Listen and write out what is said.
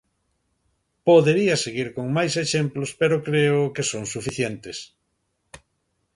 Podería seguir con máis exemplos, pero creo que son suficientes.